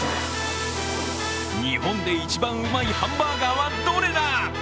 日本で一番うまいハンバーガーはどれだ？